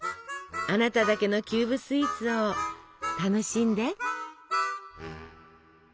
あなただけのキューブスイーツを楽しんで。